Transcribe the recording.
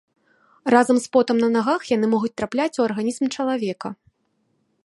Разам з потам на нагах яны могуць трапляць у арганізм чалавека.